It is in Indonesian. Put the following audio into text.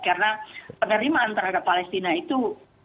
karena penerimaan terhadap palestina itu